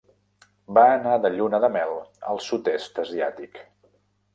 Van anar de lluna de mel al sud-est asiàtic.